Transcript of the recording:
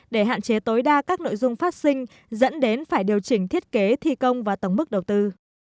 để hạn chế tối đa các nội dung phát sinh dẫn đến phải điều chỉnh thiết kế thi công và tổng mức đầu tư